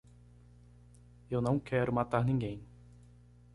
Eu não quero matar ninguém.